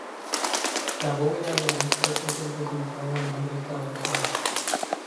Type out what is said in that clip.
La bóveda de aristas es el resultado de una restauración.